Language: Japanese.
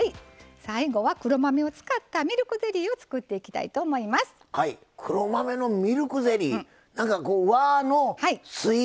最後は黒豆を使ったミルクゼリーを作っていきたいと黒豆のミルクゼリー。